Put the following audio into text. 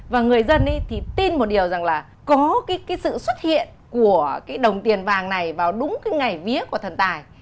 và người dân thì tin một điều rằng là có cái sự xuất hiện của cái đồng tiền vàng này vào đúng cái ngày vía của thần tài